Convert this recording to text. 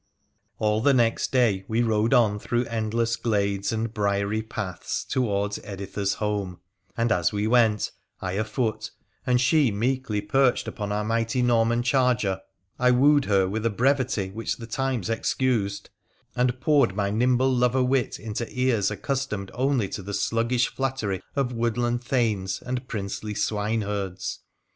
All the next day we rode on through endless glades and briery paths towards Editha's home, and as we went, I afoot and she meekly perched upon our mighty Norman charger, I Wooed her with a brevity which the times excused, and poured 80 WONDERFUL ADVENTURES OF my nimble lover wit into ears accustomed only to the sluggis flattery of woodland thanes and princely swineherds.